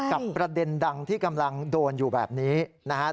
ประเด็นดังที่กำลังโดนอยู่แบบนี้นะครับ